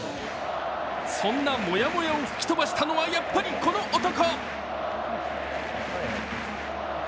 そんなモヤモヤを吹き飛ばしたのは、やっぱりこの男。